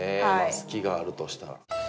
隙があるとしたら。